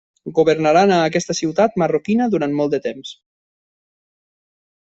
Governaran a aquesta ciutat marroquina durant molt de temps.